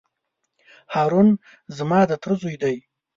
هارون زما د تره زوی دی.